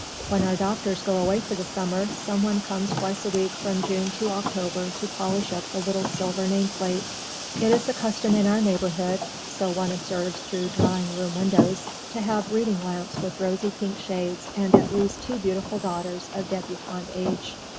When our doctors go away for the summer, someone comes twice a week from June to October to polish up the little silver name plate. It is the custom in our neighbourhood (so one observes through drawing room windows) to have reading lamps with rosy pink shades and at least two beautiful daughters of débutante age.